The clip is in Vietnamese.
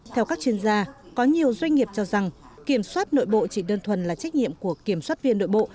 theo các chuyên gia có nhiều doanh nghiệp cho rằng kiểm soát nội bộ chỉ đơn thuần là trách nhiệm của kiểm soát viên nội bộ